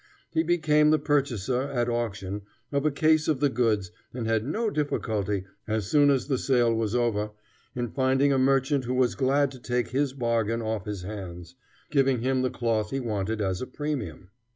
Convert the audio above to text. He became the purchaser, at auction, of a case of the goods, and had no difficulty, as soon as the sale was over, in finding a merchant who was glad to take his bargain off his hands, giving him the cloth he wanted as a premium.